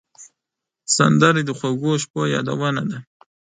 سندره د خوږو شپو یادونه ده